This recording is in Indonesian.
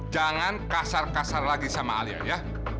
jangan kasar kasar lagi sama alia ya